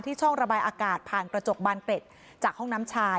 ช่องระบายอากาศผ่านกระจกบานเกร็ดจากห้องน้ำชาย